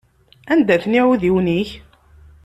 Anda-ten iεudiwen-ik?